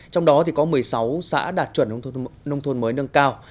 trong đó có một mươi sáu xã đạt chuẩn nông thôn mới nâng cao